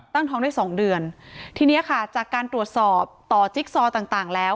ตั้งท้องได้สองเดือนทีเนี้ยค่ะจากการตรวจสอบต่อจิ๊กซอต่างต่างแล้ว